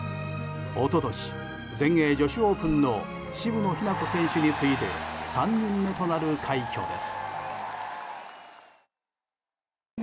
一昨年、全英女子オープンの渋野日向子選手に次いで３人目となる快挙です。